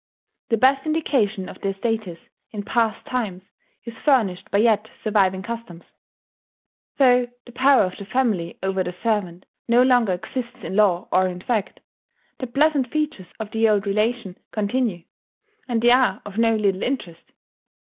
The best indication of their status in past times is furnished by yet surviving customs. Though the power of the family over the servant no longer exists in law or in fact, the pleasant features of the old relation continue; and they are of no little interest.